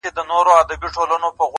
د ژوندانه كارونه پاته رانه~